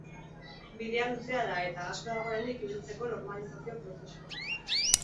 Bidea luzea da eta, asko dago oraindik ibiltzeko normalizazio prozesuan.